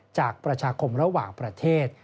ประชาคมระหว่างประเทศ